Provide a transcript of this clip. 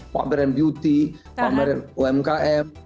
pak merin beauty pak merin umkm